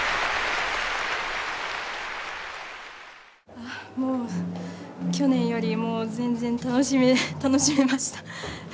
あっもう去年よりも全然楽しめ楽しめました。